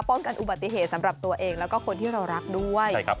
อุบัติเหตุสำหรับตัวเองแล้วก็คนที่เรารักด้วย